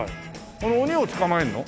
この鬼を捕まえるの？